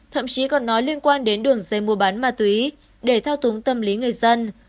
thậm chí còn nói liên quan đến đường dây mua bán ma túy để thao túng tâm lý người dân